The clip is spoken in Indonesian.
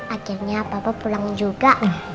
akhirnya papa pulang juga